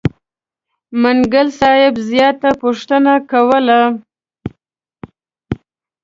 منګل صاحب زیاته پوښتنه کوله.